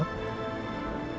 aku mau berpeluang